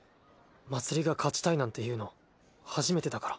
まつりが勝ちたいなんて言うの初めてだから。